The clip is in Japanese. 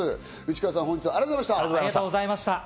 内川さん、本日はありがとうございました。